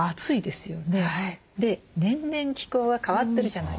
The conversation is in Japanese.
で年々気候は変わってるじゃないですか。